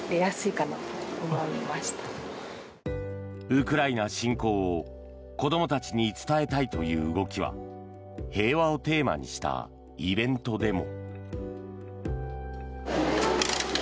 ウクライナ侵攻を子どもたちに伝えたいという動きは平和をテーマにしたイベントでも。